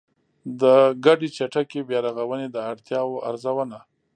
د ګډې چټکې بيا رغونې د اړتیاوو ارزونه